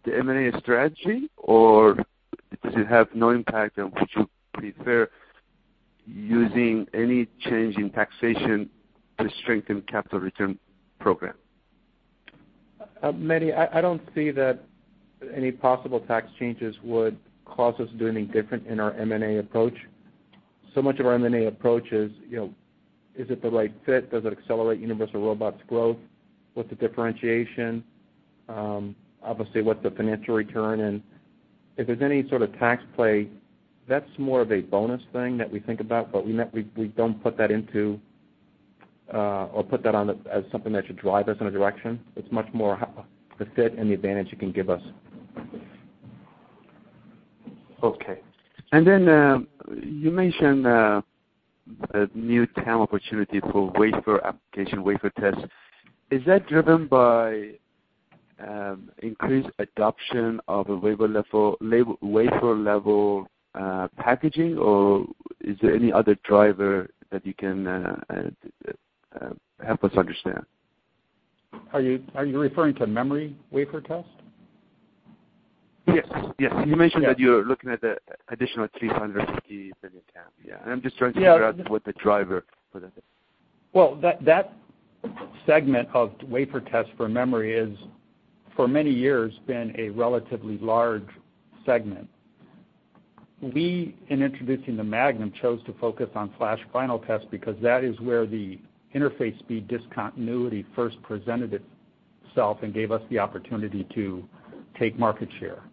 K: the M&A strategy, or does it have no impact, and would you prefer using any change in taxation to strengthen capital return program?
C: Mehdi, I don't see that any possible tax changes would cause us to do anything different in our M&A approach. Much of our M&A approach is it the right fit? Does it accelerate Universal Robots' growth? What's the differentiation? Obviously, what's the financial return? If there's any sort of tax play, that's more of a bonus thing that we think about, but we don't put that into, or put that on as something that should drive us in a direction. It's much more the fit and the advantage it can give us.
K: Okay. You mentioned the new TAM opportunity for wafer application, wafer test. Is that driven by increased adoption of a wafer-level packaging, or is there any other driver that you can help us understand?
C: Are you referring to memory wafer test?
K: Yes. You mentioned that you're looking at the additional $350 million TAM. Yeah. I'm just trying to figure out what the driver for that is.
C: Well, that segment of wafer test for memory is, for many years, been a relatively large segment. We, in introducing the Magnum, chose to focus on flash final test because that is where the interface speed discontinuity first presented itself and gave us the opportunity to take market share.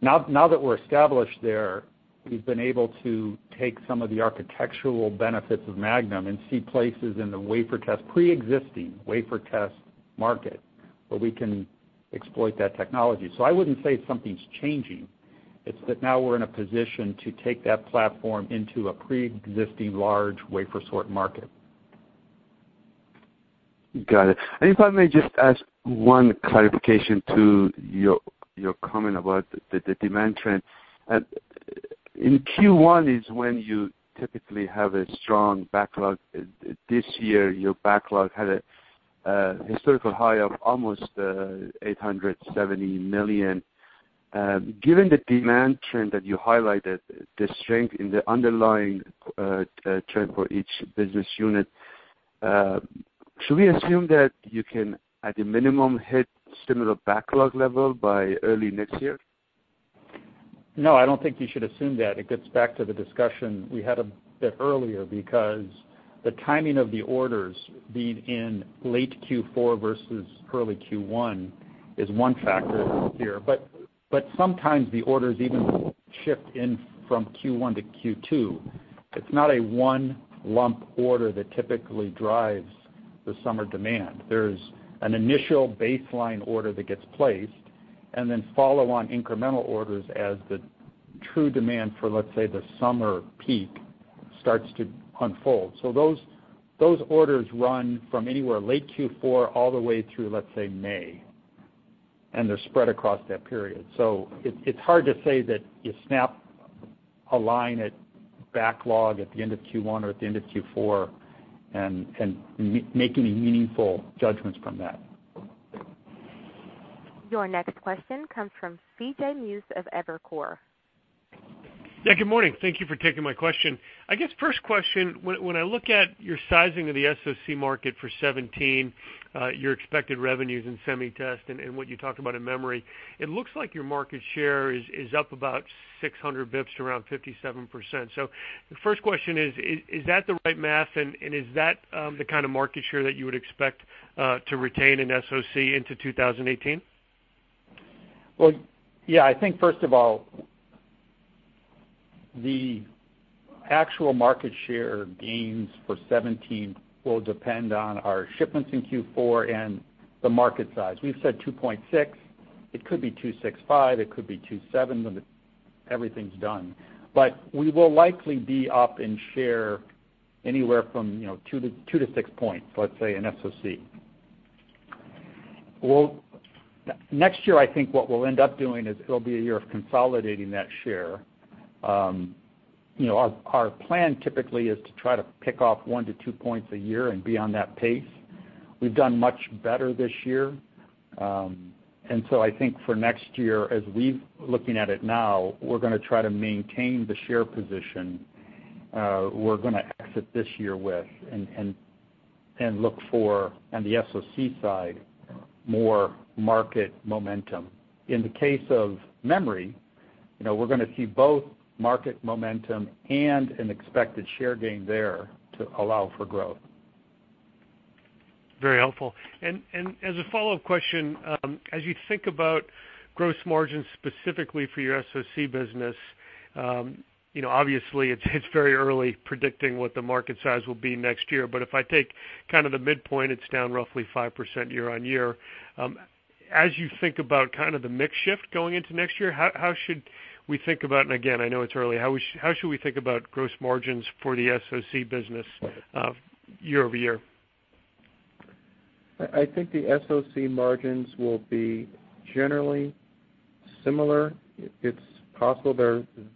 C: Now that we're established there, we've been able to take some of the architectural benefits of Magnum and see places in the preexisting wafer test market where we can exploit that technology. I wouldn't say something's changing. It's that now we're in a position to take that platform into a preexisting large wafer sort market.
K: Got it. If I may just ask one clarification to your comment about the demand trend. In Q1 is when you typically have a strong backlog. This year, your backlog had a historical high of almost $870 million. Given the demand trend that you highlighted, the strength in the underlying trend for each business unit, should we assume that you can, at a minimum, hit similar backlog level by early next year?
C: No, I don't think you should assume that. It gets back to the discussion we had a bit earlier, because the timing of the orders being in late Q4 versus early Q1 is one factor here. Sometimes the orders even shift in from Q1 to Q2. It's not a one lump order that typically drives the summer demand. There's an initial baseline order that gets placed, and then follow-on incremental orders as the true demand for, let's say, the summer peak starts to unfold. Those orders run from anywhere late Q4 all the way through, let's say, May, and they're spread across that period. It's hard to say that you snap a line at backlog at the end of Q1 or at the end of Q4 and make any meaningful judgments from that.
A: Your next question comes from C.J. Muse of Evercore.
L: Yeah. Good morning. Thank you for taking my question. I guess first question, when I look at your sizing of the SoC market for 2017, your expected revenues in semi-test and what you talked about in memory, it looks like your market share is up about 600 basis points to around 57%. The first question is that the right math, and is that the kind of market share that you would expect to retain in SoC into 2018?
C: Well, yeah, I think first of all, the actual market share gains for 2017 will depend on our shipments in Q4 and the market size. We've said $2.6. It could be $2.65, it could be $2.7 when everything's done. We will likely be up in share anywhere from two to six points, let's say, in SoC. Well, next year, I think what we'll end up doing is it'll be a year of consolidating that share. Our plan typically is to try to pick off one to two points a year and be on that pace. We've done much better this year. I think for next year, as we looking at it now, we're going to try to maintain the share position we're going to exit this year with and look for on the SoC side, more market momentum. In the case of memory, we're going to see both market momentum and an expected share gain there to allow for growth.
L: Very helpful. As a follow-up question, as you think about gross margins specifically for your SoC business, obviously, it's very early predicting what the market size will be next year, but if I take kind of the midpoint, it's down roughly 5% year-on-year. As you think about kind of the mix shift going into next year, how should we think about, and again, I know it's early, how should we think about gross margins for the SoC business year-over-year?
D: I think the SoC margins will be generally similar. It's possible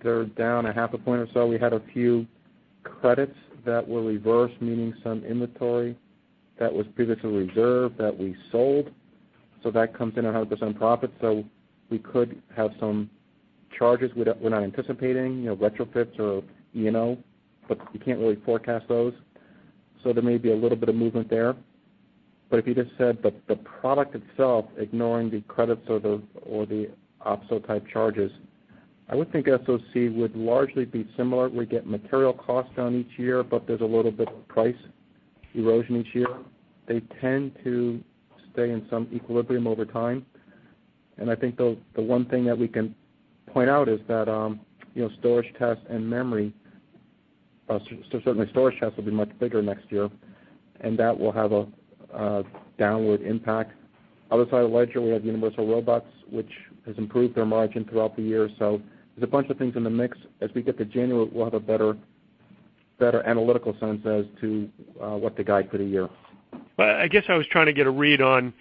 D: they're down a half a point or so. We had a few credits that were reversed, meaning some inventory that was previously reserved that we sold. That comes in 100% profit, we could have some charges we're not anticipating, retrofits or E&O, but you can't really forecast those. There may be a little bit of movement there. If you just said the product itself, ignoring the credits or the obsolescence type charges, I would think SoC would largely be similar. We get material costs down each year, but there's a little bit of price erosion each year. They tend to stay in some equilibrium over time. I think the one thing that we can point out is that Storage Test and memory, certainly Storage Test will be much bigger next year, and that will have a downward impact. Other side of the ledger, we have Universal Robots, which has improved their margin throughout the year. There's a bunch of things in the mix. As we get to January, we'll have a better analytical sense as to what the guide for the year.
L: Well, I guess I was trying to get a read on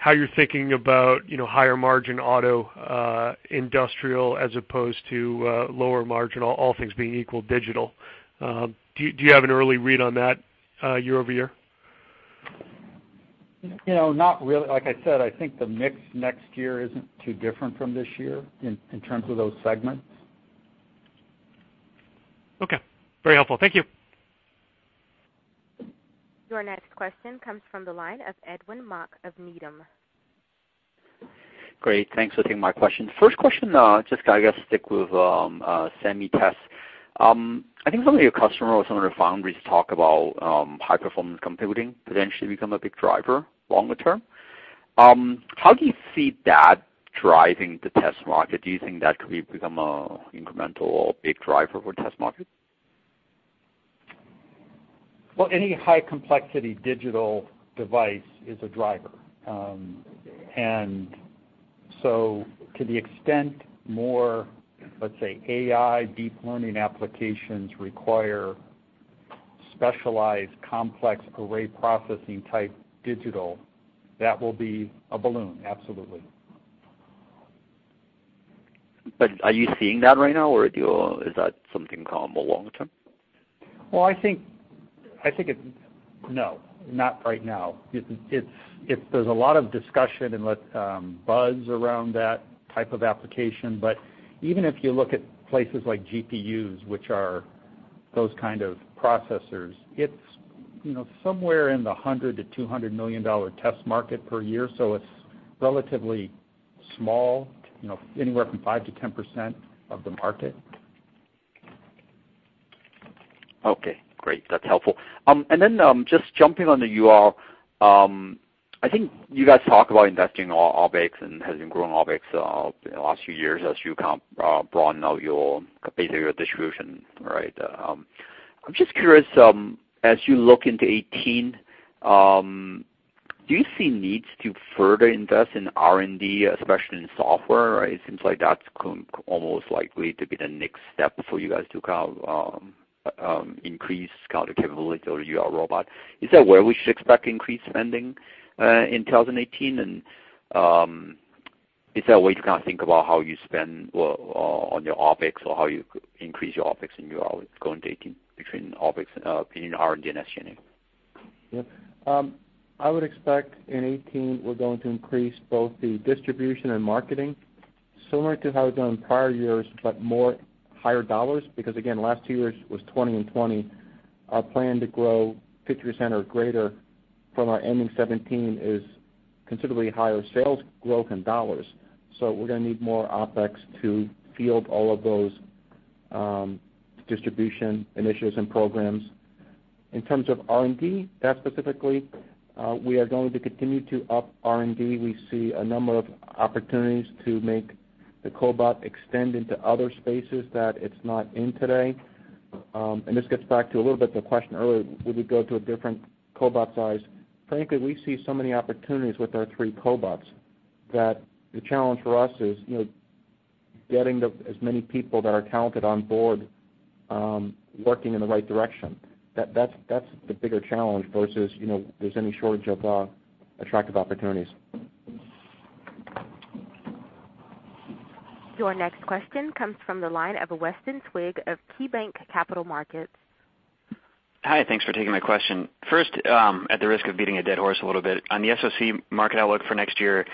L: how you're thinking about higher margin auto industrial, as opposed to lower margin, all things being equal digital. Do you have an early read on that year-over-year?
C: Not really. Like I said, I think the mix next year isn't too different from this year in terms of those segments.
L: Okay. Very helpful. Thank you.
A: Your next question comes from the line of Edwin Mok of Needham.
M: Great. Thanks for taking my question. First question, just I guess stick with semi test. I think some of your customers or some of the foundries talk about high-performance computing potentially become a big driver longer term. How do you see that driving the test market? Do you think that could become an incremental or big driver for test market?
C: Any high-complexity digital device is a driver. To the extent more, let's say, AI deep learning applications require specialized, complex array processing type digital, that will be a balloon. Absolutely.
M: Are you seeing that right now, or is that something come more long-term?
C: I think no, not right now. There's a lot of discussion and buzz around that type of application, even if you look at places like GPUs, which are those kind of processors, it's somewhere in the $100 million-$200 million test market per year, so it's relatively small, anywhere from 5%-10% of the market.
M: Okay, great. That's helpful. Just jumping on the UR, I think you guys talk about investing in OpEx and has been growing OpEx the last few years as you kind of broaden out your, basically your distribution, right? I'm just curious, as you look into 2018, do you see needs to further invest in R&D, especially in software? It seems like that's almost likely to be the next step for you guys to increase the capability of UR robot. Is that where we should expect increased spending in 2018? Is that a way to kind of think about how you spend on your OpEx or how you increase your OpEx in UR going between OpEx in R&D next year?
D: Yeah. I would expect in 2018, we're going to increase both the distribution and marketing, similar to how we've done prior years, but more higher dollars, because again, last two years was $20 and $20. Our plan to grow 50% or greater from our ending 2017 is considerably higher sales growth in dollars. We're going to need more OpEx to field all of those distribution initiatives and programs. In terms of R&D, that specifically, we are going to continue to up R&D. We see a number of opportunities to make the cobot extend into other spaces that it's not in today. This gets back to a little bit the question earlier, would we go to a different cobot size? Frankly, we see so many opportunities with our three cobots that the challenge for us is
C: Getting as many people that are talented on board, working in the right direction. That's the bigger challenge versus there's any shortage of attractive opportunities.
A: Your next question comes from the line of Weston Twigg of KeyBanc Capital Markets.
N: Hi, thanks for taking my question. First, at the risk of beating a dead horse a little bit, on the SoC market outlook for next year,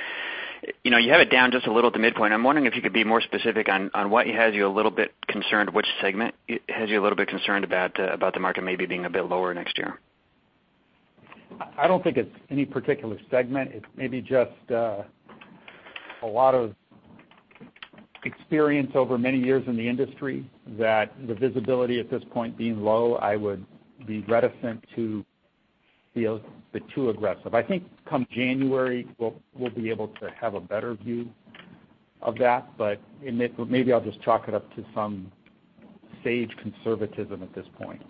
N: you have it down just a little at the midpoint. I'm wondering if you could be more specific on what has you a little bit concerned, which segment has you a little bit concerned about the market maybe being a bit lower next year?
C: I don't think it's any particular segment. It's maybe just a lot of experience over many years in the industry that the visibility at this point being low, I would be reticent to be a bit too aggressive. I think come January, we'll be able to have a better view of that. Maybe I'll just chalk it up to some sage conservatism at this point.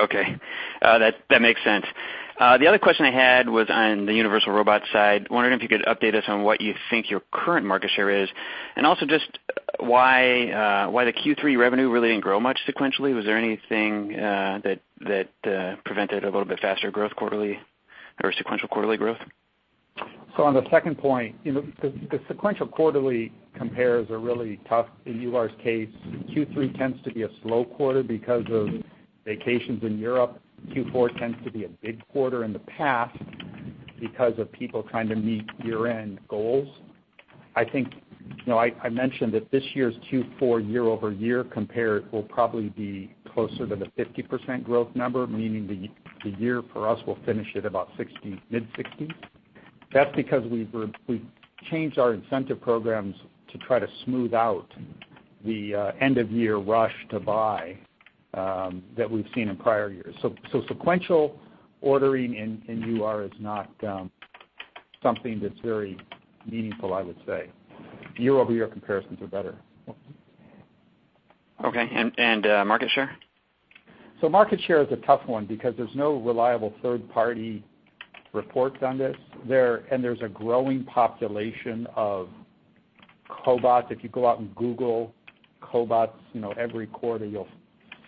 N: Okay. That makes sense. The other question I had was on the Universal Robots side. Wondering if you could update us on what you think your current market share is, and also just why the Q3 revenue really didn't grow much sequentially. Was there anything that prevented a little bit faster growth quarterly or sequential quarterly growth?
C: On the second point, the sequential quarterly compares are really tough. In UR's case, Q3 tends to be a slow quarter because of vacations in Europe. Q4 tends to be a big quarter in the past because of people trying to meet year-end goals. I mentioned that this year's Q4 year-over-year compare will probably be closer to the 50% growth number, meaning the year for us will finish at about mid-60s. That's because we've changed our incentive programs to try to smooth out the end of year rush to buy that we've seen in prior years. Sequential ordering in UR is not something that's very meaningful, I would say. Year-over-year comparisons are better.
N: Okay, and market share?
C: Market share is a tough one because there's no reliable third-party reports on this. There's a growing population of cobots. If you go out and Google cobots, every quarter you'll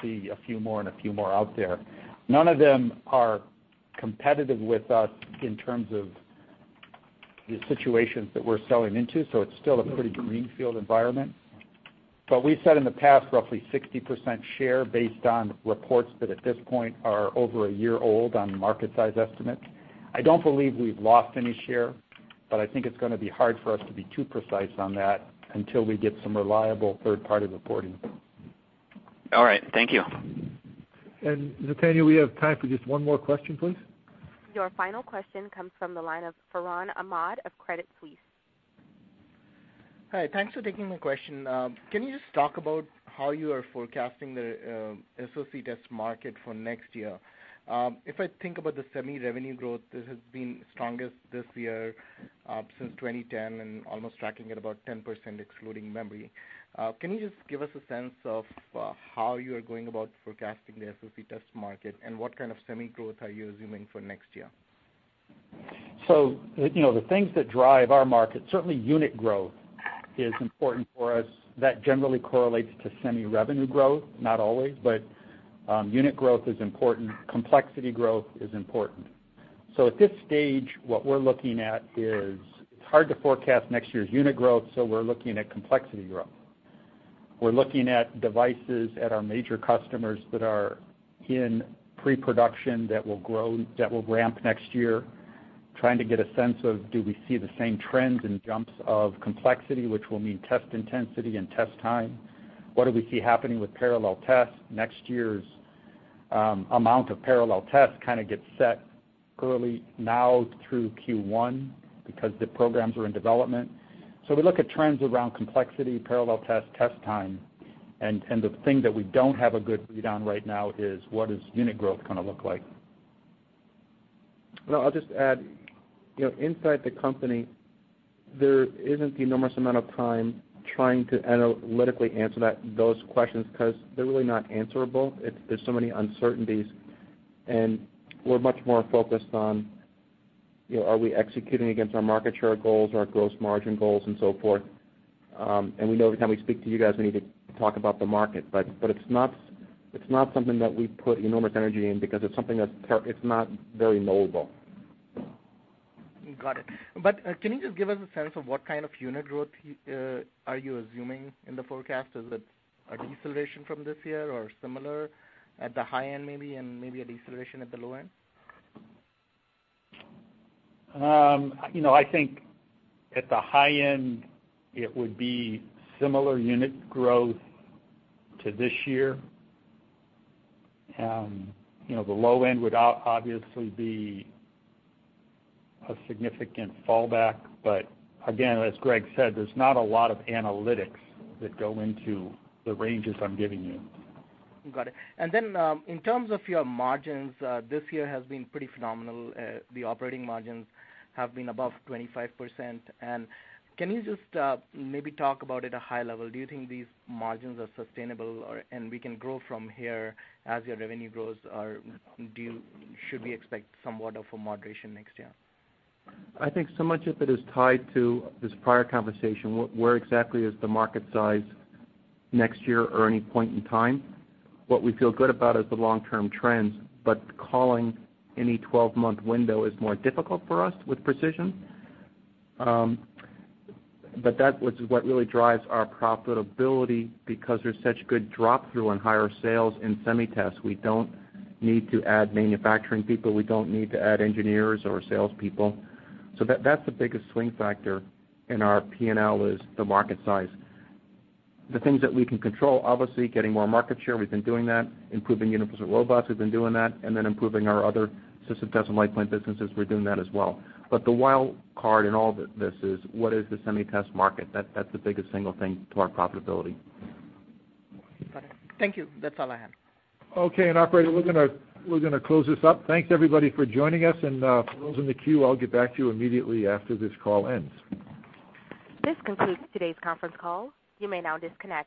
C: see a few more and a few more out there. None of them are competitive with us in terms of the situations that we're selling into, so it's still a pretty greenfield environment. We said in the past, roughly 60% share based on reports that at this point are over a year old on market size estimates. I don't believe we've lost any share, but I think it's going to be hard for us to be too precise on that until we get some reliable third-party reporting.
N: All right. Thank you.
B: Nathaniel, we have time for just one more question, please.
A: Your final question comes from the line of Farhan Ahmad of Credit Suisse.
O: Hi, thanks for taking my question. Can you just talk about how you are forecasting the SoC test market for next year? If I think about the semi revenue growth, this has been strongest this year, since 2010, and almost tracking at about 10%, excluding memory. Can you just give us a sense of how you are going about forecasting the SoC test market, and what kind of semi growth are you assuming for next year?
C: The things that drive our market, certainly unit growth is important for us. That generally correlates to semi revenue growth. Not always, but unit growth is important. Complexity growth is important. At this stage, what we're looking at is, it's hard to forecast next year's unit growth, so we're looking at complexity growth. We're looking at devices at our major customers that are in pre-production that will ramp next year, trying to get a sense of, do we see the same trends and jumps of complexity, which will mean test intensity and test time? What do we see happening with parallel tests? Next year's amount of parallel tests kind of gets set early now through Q1, because the programs are in development. We look at trends around complexity, parallel test time, and the thing that we don't have a good read on right now is what does unit growth look like?
D: I'll just add, inside the company, there isn't the enormous amount of time trying to analytically answer those questions because they're really not answerable. There's so many uncertainties, and we're much more focused on are we executing against our market share goals, our gross margin goals, and so forth. We know every time we speak to you guys, we need to talk about the market. It's not something that we put enormous energy in because it's not very knowable.
O: Got it. Can you just give us a sense of what kind of unit growth are you assuming in the forecast? Is it a deceleration from this year or similar at the high end, maybe, and maybe a deceleration at the low end?
C: I think at the high end, it would be similar unit growth to this year. The low end would obviously be a significant fallback, but again, as Greg said, there's not a lot of analytics that go into the ranges I'm giving you.
O: Got it. Then, in terms of your margins, this year has been pretty phenomenal. The operating margins have been above 25%, and can you just maybe talk about at a high level, do you think these margins are sustainable and we can grow from here as your revenue grows, or should we expect somewhat of a moderation next year?
D: I think so much of it is tied to this prior conversation. Where exactly is the market size next year or any point in time? What we feel good about is the long-term trends, but calling any 12-month window is more difficult for us with precision. That was what really drives our profitability, because there's such good drop through on higher sales in semi test. We don't need to add manufacturing people. We don't need to add engineers or salespeople. That's the biggest swing factor in our P&L is the market size. The things that we can control, obviously, getting more market share, we've been doing that. Improving Universal Robots, we've been doing that. Then improving our other system test and LitePoint businesses, we're doing that as well. The wild card in all this is what is the semi test market. That's the biggest single thing to our profitability.
O: Got it. Thank you. That's all I have.
D: Okay, operator, we're going to close this up. Thanks, everybody for joining us, and for those in the queue, I'll get back to you immediately after this call ends.
A: This concludes today's conference call. You may now disconnect.